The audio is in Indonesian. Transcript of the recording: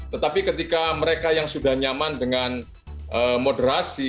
tetapi ketika mereka yang sudah nyaman dengan moderasi